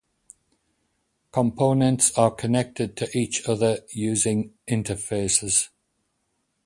Components are connected to each other using interfaces.